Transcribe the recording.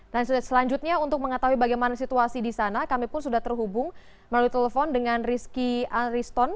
dan selanjutnya untuk mengetahui bagaimana situasi di sana kami pun sudah terhubung melalui telepon dengan rizky alriston